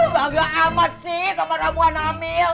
bangga amat sih sama ramuan hamil